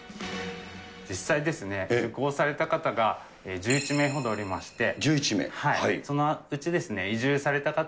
実際ですね、受講された方が１１名ほどおりまして。